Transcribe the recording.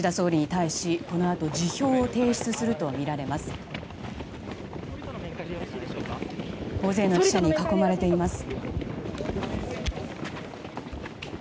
大勢の記者に囲まれています。